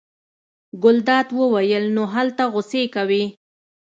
ګلداد وویل: نو هلته غوسې کوې.